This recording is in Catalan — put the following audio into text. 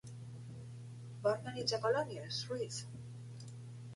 Va organitzar colònies, Ruiz?